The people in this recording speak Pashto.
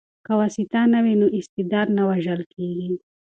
که واسطه نه وي نو استعداد نه وژل کیږي.